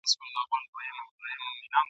نو به ګورې چي نړۍ دي د شاهي تاج در پرسر کي ..